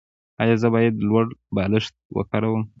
ایا زه باید لوړ بالښت وکاروم؟